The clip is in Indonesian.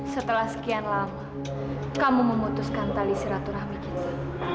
setelah sekian lama kamu memutuskan tali si ratu rahmi kinza